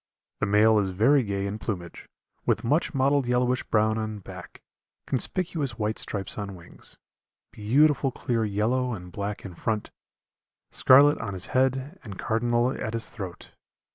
The male is very gay in plumage, with much mottled yellowish brown on back, conspicuous white stripes on wings, beautiful clear yellow and black in front, scarlet on his head and cardinal at his throat.